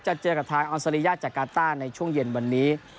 เจอกับทางออนซารียาจากกาต้าในช่วงเย็นวันนี้